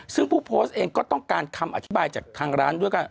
ซึ่งผู้โพสต์เองก็ต้องการคำอธิบายจากทางร้านด้วยกัน